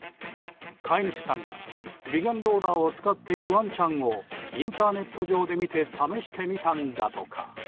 飼い主さんが美顔ローラーを使っているワンちゃんをインターネット上で見て試したみたんだとか。